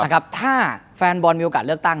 ถ้าแฟนบอลมีโอกาสเลือกตั้ง